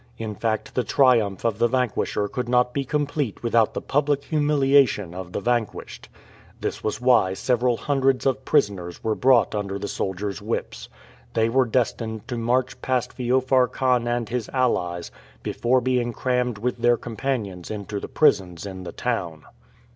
In fact, the triumph of the vanquisher could not be complete without the public humiliation of the vanquished. This was why several hundreds of prisoners were brought under the soldiers' whips. They were destined to march past Feofar Khan and his allies before being crammed with their companions into the prisons in the town.